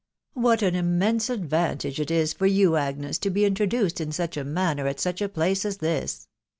What an immense advantage it is far you, Agnes, to he intm< dneed in such a manner at such * place as tins